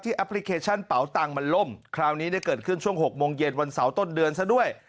แอปพลิเคชันเป๋าตังค์มันล่มคราวนี้เกิดขึ้นช่วง๖โมงเย็นวันเสาร์ต้นเดือนซะด้วย